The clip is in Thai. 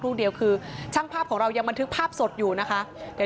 ครู่เดียวคือช่างภาพของเรายังบันทึกภาพสดอยู่นะคะ